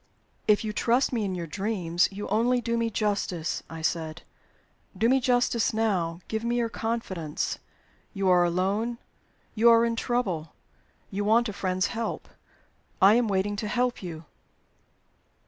"If you trust me in your dreams, you only do me justice," I said. "Do me justice now; give me your confidence. You are alone you are in trouble you want a friend's help. I am waiting to help you."